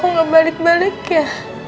kok nggak balik balik ya